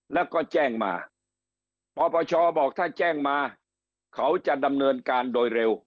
แล้วก็แจ้งมาปปชบอกถ้าแจ้งมาเขาจะดำเนินการโดยเร็ว